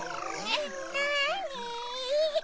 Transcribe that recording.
えっなぁに？